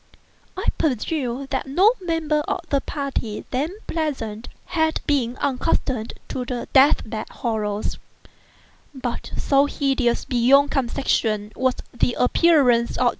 I presume that no member of the party then present had been unaccustomed to death bed horrors; but so hideous beyond conception was the appearance of M.